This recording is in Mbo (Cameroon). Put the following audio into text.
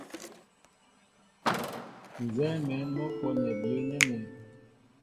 Nzɛ́ɛ́ mɛ̌n mɔ́ kwɔ́nɛ byə̌ nɛ́nɛ́.